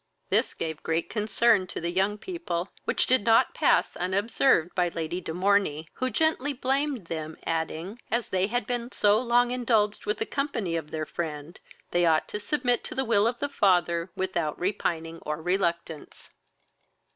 This gave great concern to the young people, which did not pass unobserved by Lady de Morney, who gently blamed them, adding, as they had been so long indulged with the company of their friend, they ought to submit to the will of the father without repining or reluctance.